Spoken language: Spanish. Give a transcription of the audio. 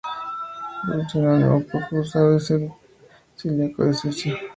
Un sinónimo poco usado es el de "silicato de cesio".